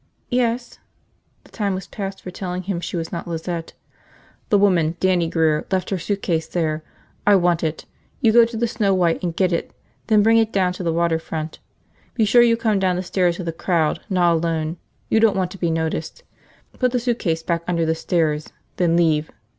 "Yes." The time was past for telling him she was not Lizette. "The woman, Dannie Grear, left her suitcase there. I want it. You go to the Snow White and get it, then bring it down to the water front. Be sure you come down the stairs with a crowd, not alone. You don't want to be noticed. Put the suitcase back under the stairs. Then leave.